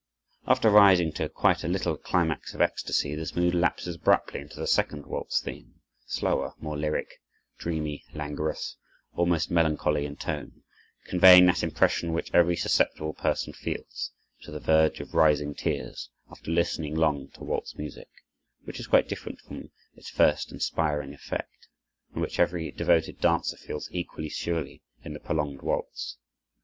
After rising to quite a little climax of ecstasy, this mood lapses abruptly into the second waltz theme, slower, more lyric, dreamy, languorous, almost melancholy in tone, conveying that impression which every susceptible person feels, to the verge of rising tears, after listening long to waltz music, which is quite different from its first inspiring effect, and which every devoted dancer feels equally surely in the prolonged waltz.